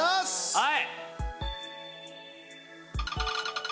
はい。